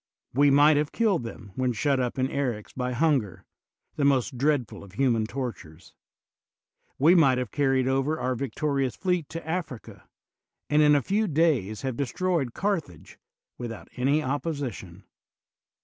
We might have killed them when shut up in Bryx by hunger, the most dreadful of human tortures ; we might have car ried over our victorious fleet to Africa, and in a few days have destroyed Carthage without any opposition.